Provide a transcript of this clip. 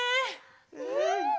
うん！